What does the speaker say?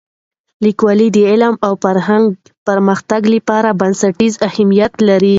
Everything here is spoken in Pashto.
لیکوالی د علمي او فرهنګي پرمختګ لپاره بنسټیز اهمیت لري.